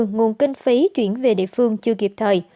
nguồn kinh phí chuyển về địa phương chưa kịp thời